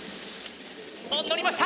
おっ乗りました！